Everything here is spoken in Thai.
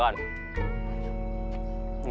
มึงมีแผนไหมเนี่ย